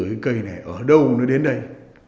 cái cây này ở đâu nó đến đây